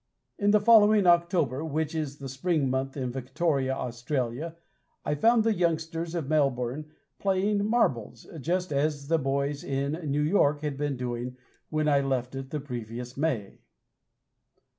In the following October, which is the spring month in Victoria, Australia, I found the youngsters of Melbourne playing marbles, just as the boys in New York had been doing when I left it the previous May.